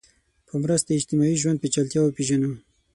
په مرسته اجتماعي ژوند پېچلتیا وپېژنو